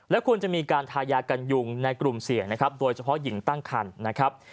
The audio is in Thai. ควรจะมีการทายากันยุงในกลุ่มเสี่ยงนะครับโดยเฉพาะหญิงตั้งคันนะครับ